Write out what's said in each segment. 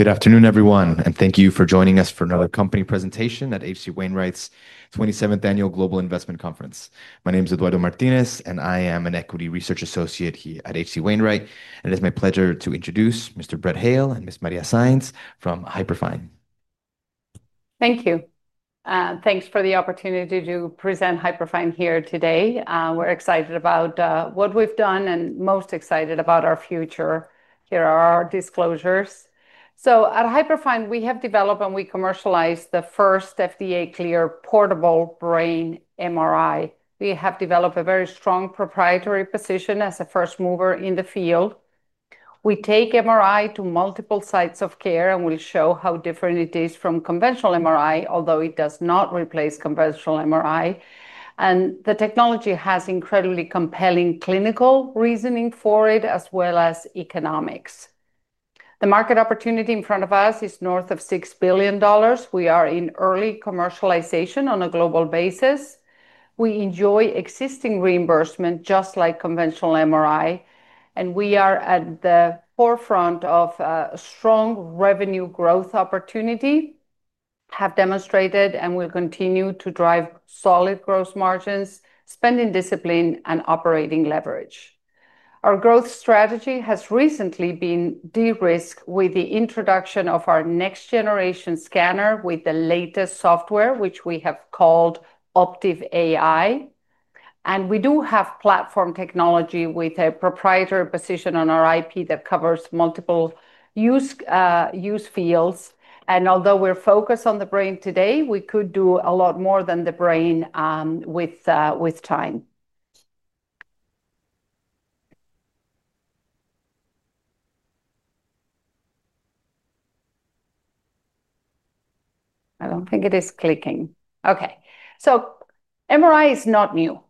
Good afternoon, everyone, and thank you for joining us for another company presentation at H.C. Wainwright's 27th Annual Global Investment Conference. My name is Eduardo Martinez, and I am an Equity Research Associate here at H.C. Wainwright. It is my pleasure to introduce Mr. Brett Hale and Ms. Maria Sainz from Hyperfine. Thank you. Thanks for the opportunity to present Hyperfine here today. We're excited about what we've done and most excited about our future. Here are our disclosures. At Hyperfine, we have developed and we commercialized the first FDA-cleared portable brain MRI. We have developed a very strong proprietary position as a first mover in the field. We take MRI to multiple sites of care and will show how different it is from conventional MRI, although it does not replace conventional MRI. The technology has incredibly compelling clinical reasoning for it, as well as economics. The market opportunity in front of us is north of $6 billion. We are in early commercialization on a global basis. We enjoy existing reimbursement, just like conventional MRI, and we are at the forefront of a strong revenue growth opportunity. We have demonstrated and will continue to drive solid gross margins, spending discipline, and operating leverage. Our growth strategy has recently been de-risked with the introduction of our next-generation scanner with the latest software, which we have called Optive AI™. We do have platform technology with a proprietary position on our IP that covers multiple use fields. Although we're focused on the brain today, we could do a lot more than the brain with time. I don't think it is clicking. MRI is not new.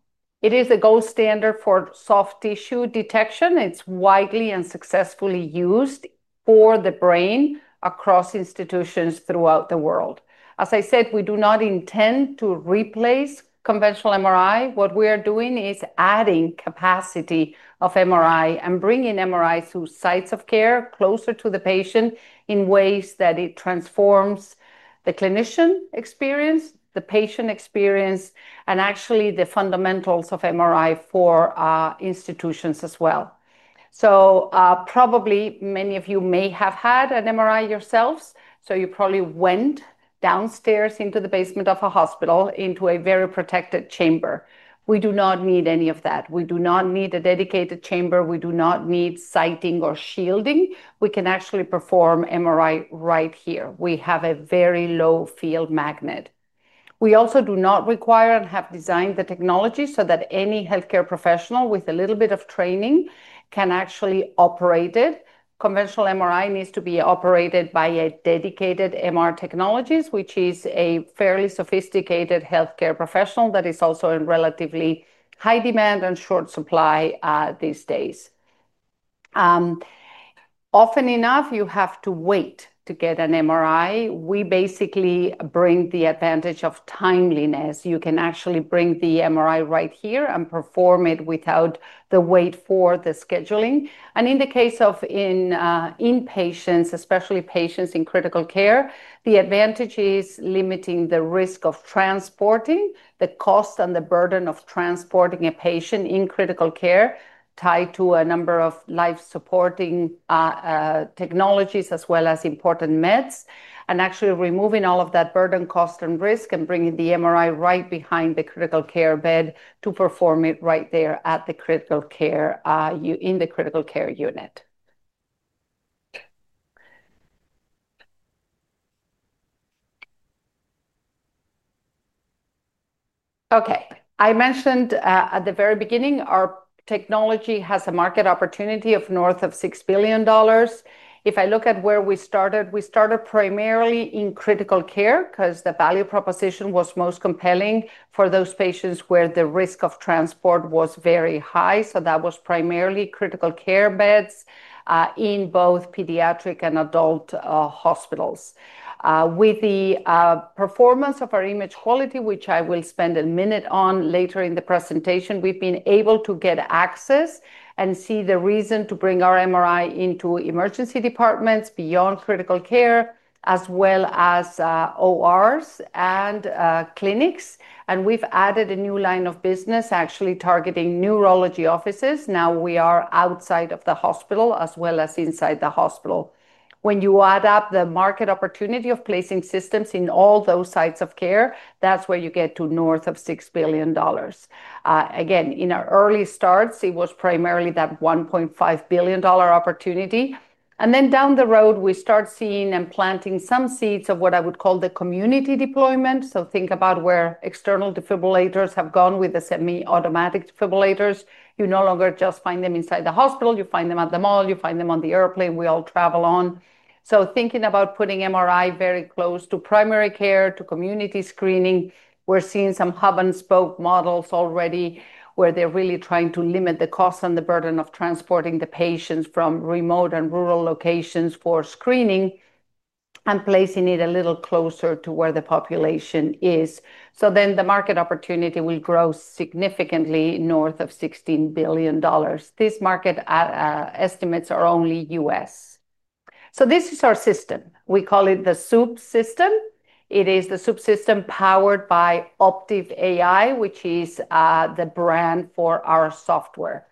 It is the gold standard for soft tissue detection. It's widely and successfully used for the brain across institutions throughout the world. As I said, we do not intend to replace conventional MRI. What we are doing is adding capacity of MRI and bringing MRI to sites of care closer to the patient in ways that it transforms the clinician experience, the patient experience, and actually the fundamentals of MRI for institutions as well. Probably many of you may have had an MRI yourselves, so you probably went downstairs into the basement of a hospital into a very protected chamber. We do not need any of that. We do not need a dedicated chamber. We do not need siting or shielding. We can actually perform MRI right here. We have a very low field magnet. We also do not require and have designed the technology so that any healthcare professional with a little bit of training can actually operate it. Conventional MRI needs to be operated by a dedicated MR technologist, which is a fairly sophisticated healthcare professional that is also in relatively high demand and short supply these days. Often enough, you have to wait to get an MRI. We basically bring the advantage of timeliness. You can actually bring the MRI right here and perform it without the wait for the scheduling. In the case of inpatients, especially patients in critical care, the advantage is limiting the risk of transporting, the cost, and the burden of transporting a patient in critical care tied to a number of life-supporting technologies as well as important meds. Actually removing all of that burden, cost, and risk and bringing the MRI right behind the critical care bed to perform it right there in the critical care unit. I mentioned at the very beginning our technology has a market opportunity of north of $6 billion. If I look at where we started, we started primarily in critical care because the value proposition was most compelling for those patients where the risk of transport was very high. That was primarily critical care beds in both pediatric and adult hospitals. With the performance of our image quality, which I will spend a minute on later in the presentation, we've been able to get access and see the reason to bring our MRI into emergency departments beyond critical care, as well as ORs and clinics. We've added a new line of business actually targeting neurology offices. Now we are outside of the hospital as well as inside the hospital. When you add up the market opportunity of placing systems in all those sites of care, that's where you get to north of $6 billion. In our early starts, it was primarily that $1.5 billion opportunity. Down the road, we start seeing and planting some seeds of what I would call the community deployment. Think about where external defibrillators have gone with the semi-automatic defibrillators. You no longer just find them inside the hospital. You find them at the mall. You find them on the airplane we all travel on. Thinking about putting MRI very close to primary care, to community screening, we're seeing some hub-and-spoke models already where they're really trying to limit the cost and the burden of transporting the patients from remote and rural locations for screening and placing it a little closer to where the population is. The market opportunity will grow significantly north of $16 billion. These market estimates are only U.S. This is our system. We call it the Swoop® system. It is the Swoop® system powered by Optive AI™, which is the brand for our software.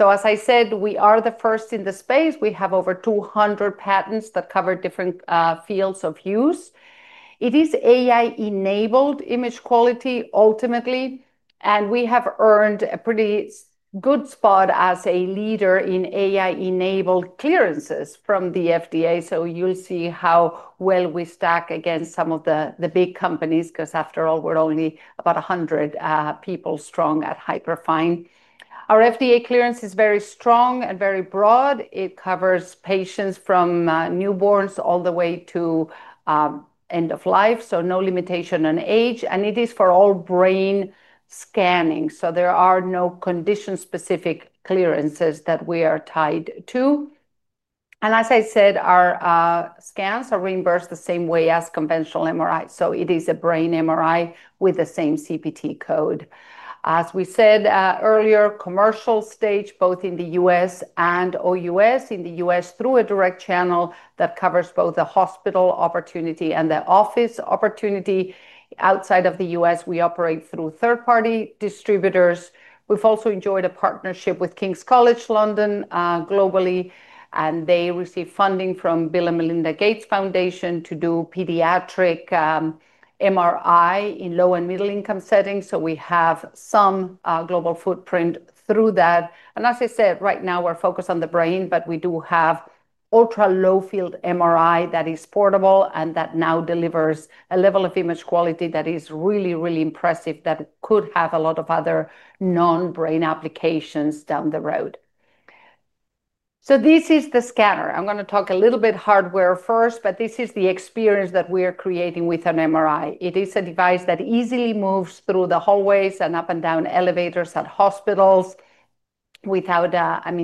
As I said, we are the first in the space. We have over 200 patents that cover different fields of use. It is AI-enabled image quality ultimately. We have earned a pretty good spot as a leader in AI-enabled clearances from the FDA. You'll see how well we stack against some of the big companies because after all, we're only about 100 people strong at Hyperfine. Our FDA clearance is very strong and very broad. It covers patients from newborns all the way to end of life, so no limitation on age. It is for all brain scanning, so there are no condition-specific clearances that we are tied to. As I said, our scans are reimbursed the same way as conventional MRI. It is a brain MRI with the same CPT code. As we said earlier, commercial stage both in the U.S. and OUS. In the U.S., through a direct channel that covers both the hospital opportunity and the office opportunity. Outside of the U.S., we operate through third-party distributors. We've also enjoyed a partnership with King's College London globally, and they receive funding from Bill and Melinda Gates Foundation to do pediatric MRI in low and middle-income settings. We have some global footprint through that. As I said, right now we're focused on the brain, but we do have ultra-low field MRI that is portable and that now delivers a level of image quality that is really, really impressive that could have a lot of other non-brain applications down the road. This is the scanner. I'm going to talk a little bit hardware first, but this is the experience that we are creating with an MRI. It is a device that easily moves through the hallways and up and down elevators at hospitals,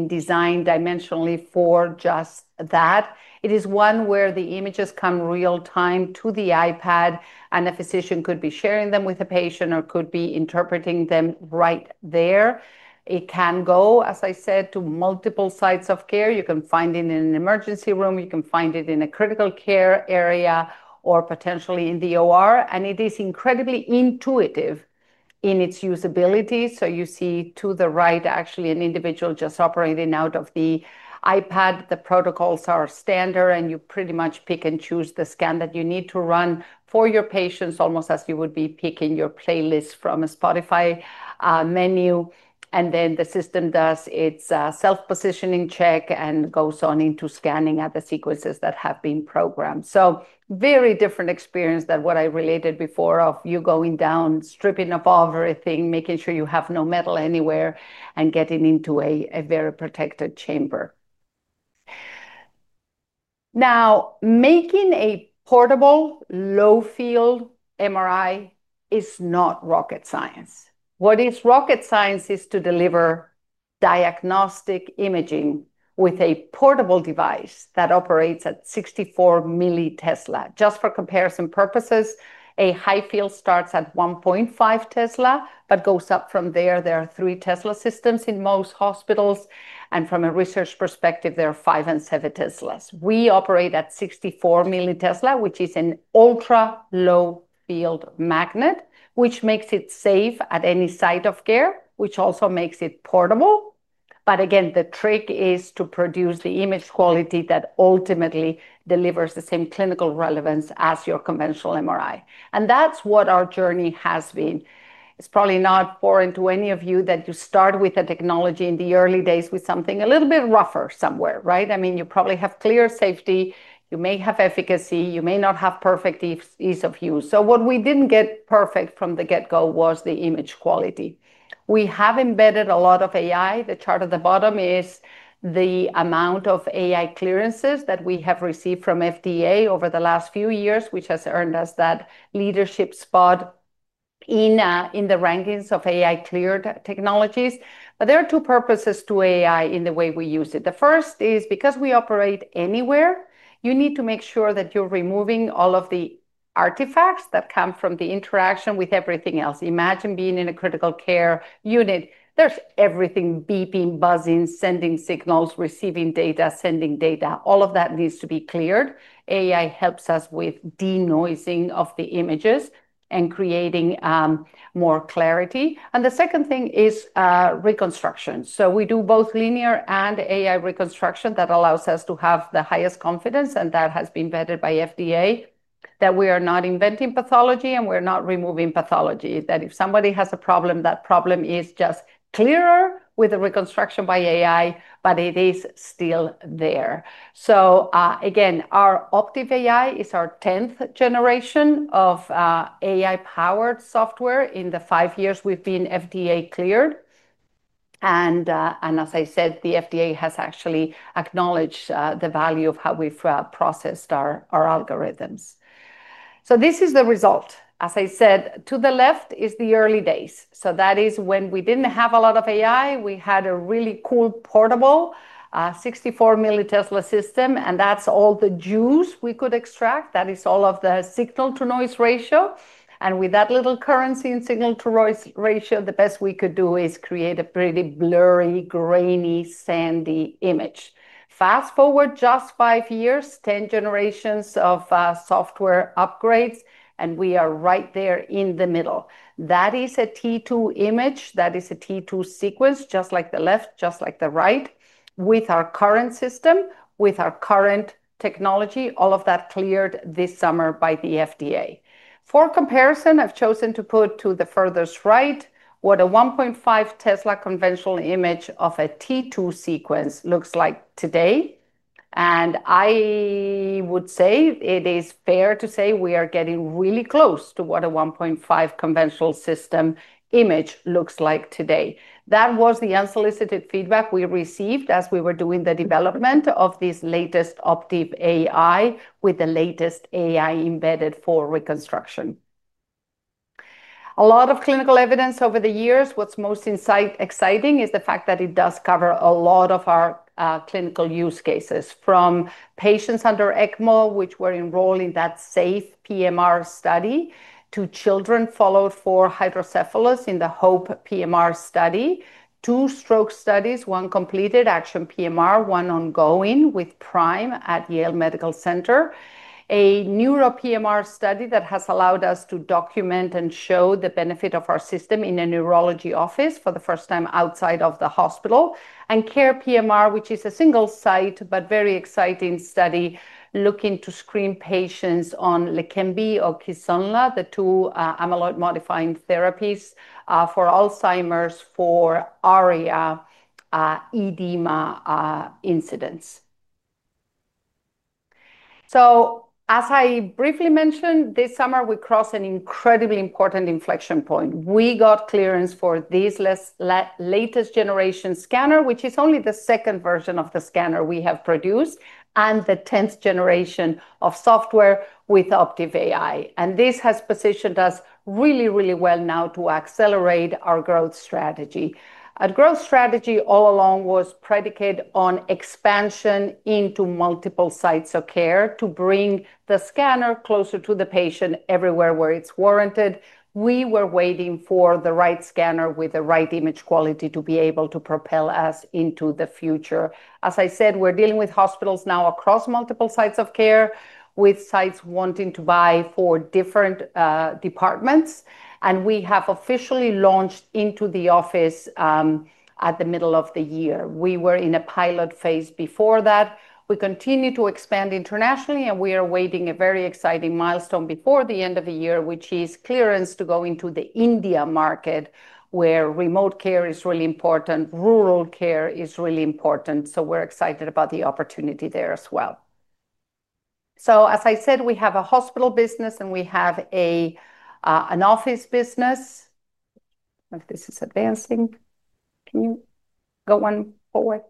designed dimensionally for just that. It is one where the images come real-time to the iPad and a physician could be sharing them with a patient or could be interpreting them right there. It can go, as I said, to multiple sites of care. You can find it in an emergency room, you can find it in a critical care area, or potentially in the OR. It is incredibly intuitive in its usability. You see to the right actually an individual just operating out of the iPad. The protocols are standard and you pretty much pick and choose the scan that you need to run for your patients almost as you would be picking your playlist from a Spotify menu. The system does its self-positioning check and goes on into scanning at the sequences that have been programmed. Very different experience than what I related before of you going down, stripping up everything, making sure you have no metal anywhere, and getting into a very protected chamber. Now, making a portable low-field MRI is not rocket science. What is rocket science is to deliver diagnostic imaging with a portable device that operates at 64 milli-Tesla. Just for comparison purposes, a high field starts at 1.5 Tesla, but goes up from there. There are three Tesla systems in most hospitals. From a research perspective, there are five and seven Teslas. We operate at 64 milli-Tesla, which is an ultra-low field magnet, which makes it safe at any site of care, which also makes it portable. The trick is to produce the image quality that ultimately delivers the same clinical relevance as your conventional MRI. That is what our journey has been. It is probably not foreign to any of you that you start with a technology in the early days with something a little bit rougher somewhere, right? I mean, you probably have clear safety. You may have efficacy. You may not have perfect ease of use. What we did not get perfect from the get-go was the image quality. We have embedded a lot of AI. The chart at the bottom is the amount of AI clearances that we have received from FDA over the last few years, which has earned us that leadership spot in the rankings of AI-cleared technologies. There are two purposes to AI in the way we use it. The first is because we operate anywhere, you need to make sure that you are removing all of the artifacts that come from the interaction with everything else. Imagine being in a critical care unit. There is everything beeping, buzzing, sending signals, receiving data, sending data. All of that needs to be cleared. AI helps us with denoising of the images and creating more clarity. The second thing is reconstruction. We do both linear and AI reconstruction that allows us to have the highest confidence, and that has been vetted by FDA, that we are not inventing pathology and we are not removing pathology. If somebody has a problem, that problem is just clearer with a reconstruction by AI, but it is still there. Our Optive AI™ is our 10th generation of AI-powered software in the five years we have been FDA-cleared. As I said, the FDA has actually acknowledged the value of how we have processed our algorithms. This is the result. As I said, to the left is the early days. That is when we didn't have a lot of AI. We had a really cool portable 64 milli-Tesla system. That's all the juice we could extract. That is all of the signal-to-noise ratio. With that little currency in signal-to-noise ratio, the best we could do is create a pretty blurry, grainy, sandy image. Fast forward just five years, 10 generations of software upgrades, and we are right there in the middle. That is a T2 image. That is a T2 sequence, just like the left, just like the right, with our current system, with our current technology, all of that cleared this summer by the FDA. For comparison, I've chosen to put to the furthest right what a 1.5 Tesla conventional image of a T2 sequence looks like today. I would say it is fair to say we are getting really close to what a 1.5 conventional system image looks like today. That was the unsolicited feedback we received as we were doing the development of this latest Optive AI™ with the latest AI embedded for reconstruction. A lot of clinical evidence over the years. What's most exciting is the fact that it does cover a lot of our clinical use cases from patients under ECMO, which were enrolled in that SAFE PMR study, to children followed for hydrocephalus in the HOPE PMR study, two stroke studies, one completed ACTION PMR, one ongoing with PRIME at Yale Medical Center, a neuro PMR study that has allowed us to document and show the benefit of our system in a neurology office for the first time outside of the hospital, and CARE PMR, which is a single-site, but very exciting study looking to screen patients on Leqembi or Kisunla, the two amyloid-modifying therapies for Alzheimer's for area edema incidents. As I briefly mentioned, this summer we crossed an incredibly important inflection point. We got clearance for this latest generation scanner, which is only the second version of the scanner we have produced, and the 10th generation of software with Optive AI™. This has positioned us really, really well now to accelerate our growth strategy. Our growth strategy all along was predicated on expansion into multiple sites of care to bring the scanner closer to the patient everywhere where it's warranted. We were waiting for the right scanner with the right image quality to be able to propel us into the future. As I said, we're dealing with hospitals now across multiple sites of care with sites wanting to buy for different departments. We have officially launched into the office at the middle of the year. We were in a pilot phase before that. We continue to expand internationally, and we are awaiting a very exciting milestone before the end of the year, which is clearance to go into the India market where remote care is really important. Rural care is really important. We are excited about the opportunity there as well. As I said, we have a hospital business and we have an office business. If this is advancing, can you go one forward?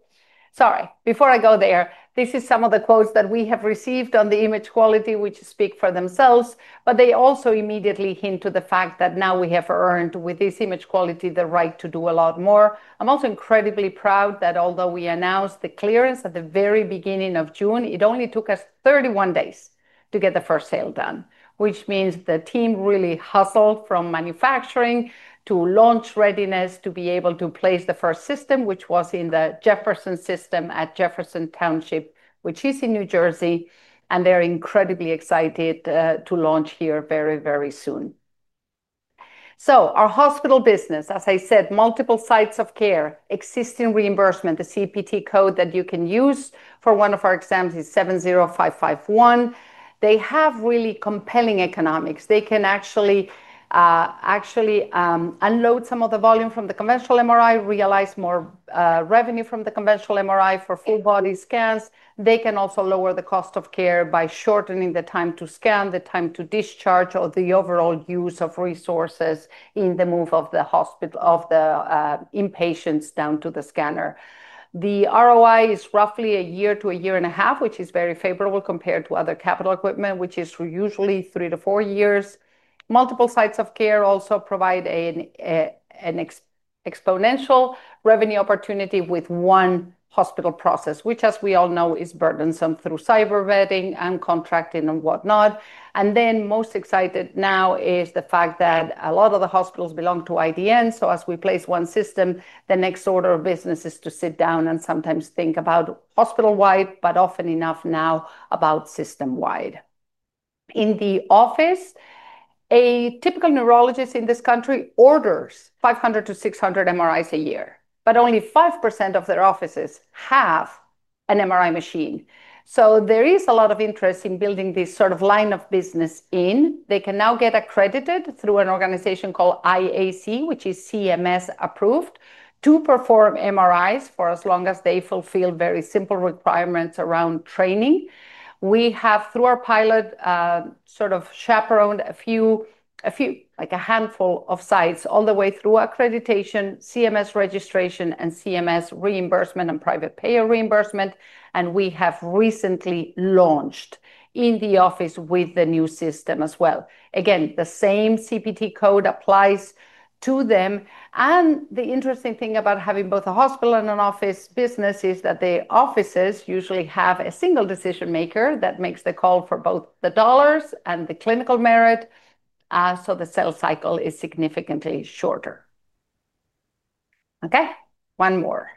Sorry. Before I go there, this is some of the quotes that we have received on the image quality, which speak for themselves, but they also immediately hint to the fact that now we have earned with this image quality the right to do a lot more. I'm also incredibly proud that although we announced the clearance at the very beginning of June, it only took us 31 days to get the first sale done, which means the team really hustled from manufacturing to launch readiness to be able to place the first system, which was in the Jefferson system at Jefferson Township, which is in New Jersey. They are incredibly excited to launch here very, very soon. Our hospital business, as I said, multiple sites of care, existing reimbursement, the CPT code that you can use for one of our exams is 70551. They have really compelling economics. They can actually unload some of the volume from the conventional MRI, realize more revenue from the conventional MRI for full-body scans. They can also lower the cost of care by shortening the time to scan, the time to discharge, or the overall use of resources in the move of the hospital of the inpatients down to the scanner. The ROI is roughly a year to a year and a half, which is very favorable compared to other capital equipment, which is usually three to four years. Multiple sites of care also provide an exponential revenue opportunity with one hospital process, which as we all know is burdensome through cyber vetting and contracting and whatnot. Most excited now is the fact that a lot of the hospitals belong to IDN. As we place one system, the next order of business is to sit down and sometimes think about hospital-wide, but often enough now about system-wide. In the office, a typical neurologist in this country orders 500 to 600 MRIs a year, but only 5% of their offices have an MRI machine. There is a lot of interest in building this sort of line of business in. They can now get accredited through an organization called IAC, which is CMS approved, to perform MRIs for as long as they fulfill very simple requirements around training. We have, through our pilot, chaperoned a few, a few like a handful of sites all the way through accreditation, CMS registration, and CMS reimbursement and private payer reimbursement. We have recently launched in the office with the new system as well. The same CPT code applies to them. The interesting thing about having both a hospital and an office business is that the offices usually have a single decision maker that makes the call for both the dollars and the clinical merit. The sales cycle is significantly shorter. Okay. One more.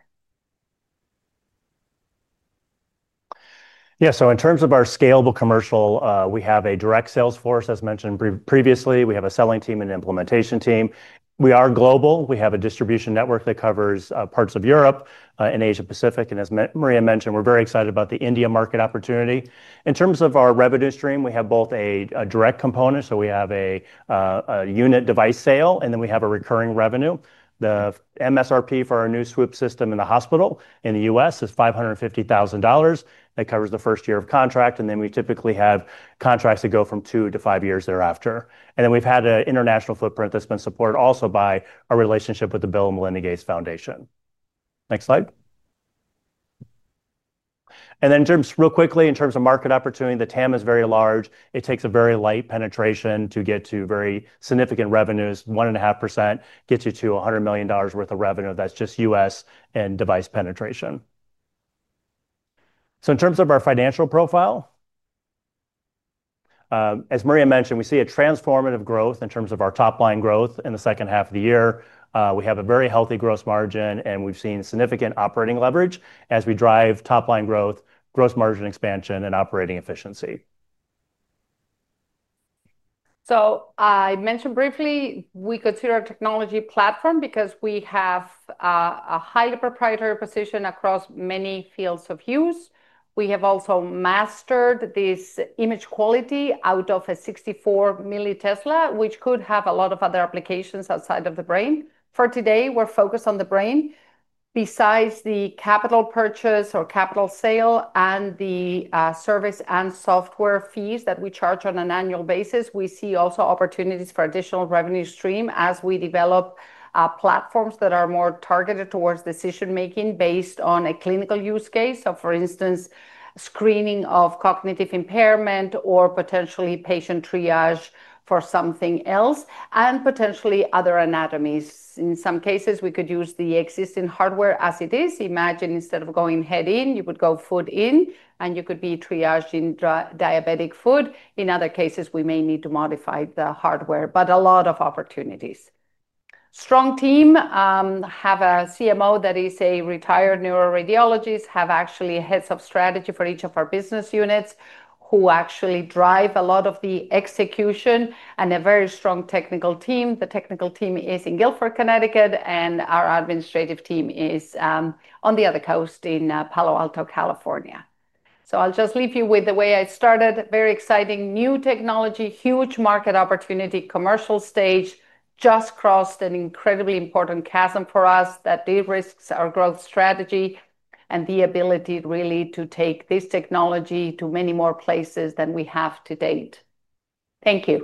Yeah. In terms of our scalable commercial, we have a direct sales force, as mentioned previously. We have a selling team and an implementation team. We are global. We have a distribution network that covers parts of Europe and Asia Pacific. As Maria mentioned, we're very excited about the India market opportunity. In terms of our revenue stream, we have both a direct component. We have a unit device sale, and then we have a recurring revenue. The MSRP for our new Swoop® system in the hospital in the U.S. is $550,000. That covers the first year of contract. We typically have contracts that go from two to five years thereafter. We've had an international footprint that's been supported also by our relationship with the Bill and Melinda Gates Foundation. Next slide. In terms, real quickly, in terms of market opportunity, the TAM is very large. It takes a very light penetration to get to very significant revenues. 1.5% gets you to $100 million worth of revenue. That's just U.S. and device penetration. In terms of our financial profile, as Maria mentioned, we see a transformative growth in terms of our top line growth in the second half of the year. We have a very healthy gross margin, and we've seen significant operating leverage as we drive top line growth, gross margin expansion, and operating efficiency. I mentioned briefly, we consider a technology platform because we have a highly proprietary position across many fields of use. We have also mastered this image quality out of a 64 milli-Tesla, which could have a lot of other applications outside of the brain. For today, we're focused on the brain. Besides the capital purchase or capital sale and the service and software fees that we charge on an annual basis, we see also opportunities for additional revenue stream as we develop platforms that are more targeted towards decision making based on a clinical use case. For instance, screening of cognitive impairment or potentially patient triage for something else and potentially other anatomies. In some cases, we could use the existing hardware as it is. Imagine instead of going head in, you would go foot in and you could be triaging diabetic foot. In other cases, we may need to modify the hardware, but a lot of opportunities. Strong team, have a Chief Medical Officer that is a retired neuroradiologist, have actually heads of strategy for each of our business units who actually drive a lot of the execution and a very strong technical team. The technical team is in Guilford, Connecticut, and our administrative team is on the other coast in Palo Alto, California. I'll just leave you with the way I started. Very exciting new technology, huge market opportunity, commercial stage, just crossed an incredibly important chasm for us that de-risks our growth strategy and the ability really to take this technology to many more places than we have to date. Thank you.